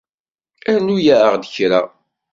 Rnu-aɣ-d kra